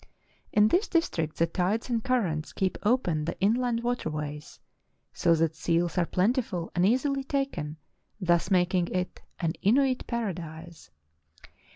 In this district the tides and currents keep open the in land water ways, so that seals are plentiful and easily taken, thus making it an Inuit paradise.